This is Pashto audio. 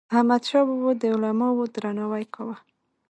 احمدشاه بابا به د علماوو درناوی کاوه.